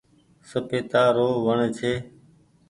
سپيتا رو وڻ ڇي۔